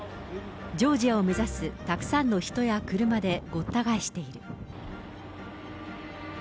ジョージアを目指すたくさんの人や車でごった返している。